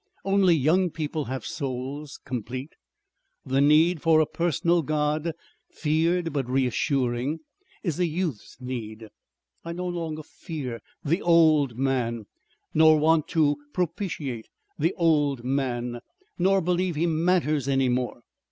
Only young people have souls, complete. The need for a personal God, feared but reassuring, is a youth's need. I no longer fear the Old Man nor want to propitiate the Old Man nor believe he matters any more.